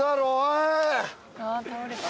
ああ倒れた。